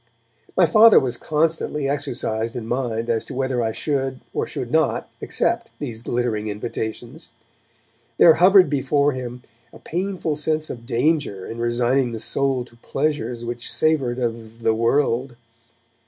My Father was constantly exercised in mind as to whether I should or should not accept these glittering invitations. There hovered before him a painful sense of danger in resigning the soul to pleasures which savoured of 'the world'.